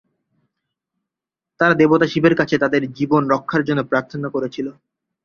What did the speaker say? তারা দেবতা শিবের কাছে তাদের জীবন রক্ষার জন্য প্রার্থনা করেছিল।